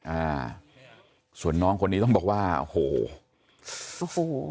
อ่าส่วนน้องคนนี้ต้องบอกว่าโอ้โหโอ้โห